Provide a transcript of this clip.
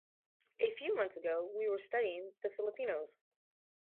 A few months ago we were studying the Filipinos.